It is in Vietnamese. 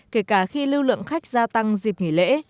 kể cả khi lưu lượng khách gia tăng dịp nghỉ lễ